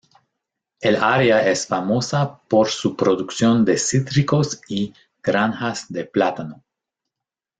El área es famosa por su producción de cítricos y granjas de plátano.